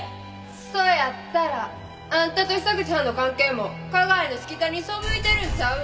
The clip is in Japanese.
そやったらあんたと久口はんの関係も花街のしきたりに背いてるんちゃうん？